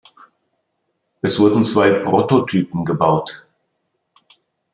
Es wurden zwei Prototypen gebaut.